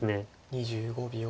２５秒。